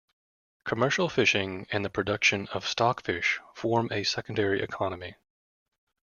Commercial fishing and the production of stockfish form a secondary economy.